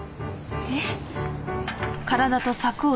えっ？